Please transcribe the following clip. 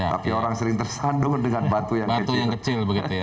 tapi orang sering tersandung dengan batu yang kecil